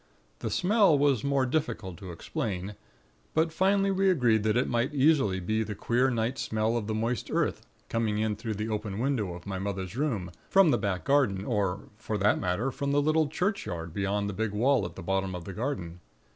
The smell was more difficult to explain; but finally we agreed that it might easily be the queer night smell of the moist earth, coming in through the open window of my mother's room, from the back garden, or for that matter from the little churchyard beyond the big wall at the bottom of the garden.